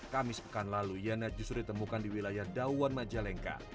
kamis pekan lalu yana justru ditemukan di wilayah dauan majalengka